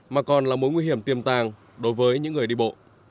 mà còn là mối nguy hiểm tiềm tàng đối với những người đi bộ